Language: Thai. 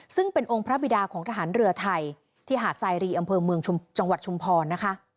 ซึ่งเป็นองค์พระบิดาของทหารเรือไทยที่หาดไซรีอำเภอเมืองจังหวัดชุมพรนะคะ